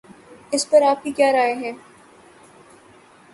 اس پر آپ کی کیا رائے ہے؟